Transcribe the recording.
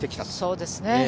そうですね。